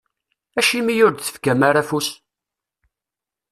Acimi ur d-tefkam ara afus?